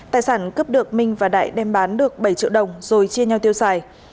tài sản cướp được minh và đại đem bán được bảy triệu đồng rồi chia nhau tiêu xài